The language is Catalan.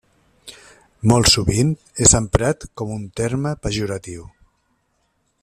Molt sovint és emprat com un terme pejoratiu.